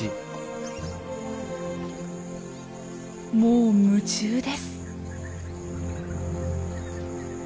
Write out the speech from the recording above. もう夢中です。